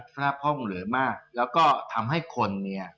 สภาพห้องเหลือมากแล้วก็ทำให้คนเนี่ย